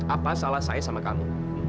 apa salah saya sama kamu